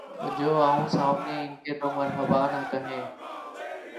جو آؤں سامنے ان کے‘ تو مرحبا نہ کہیں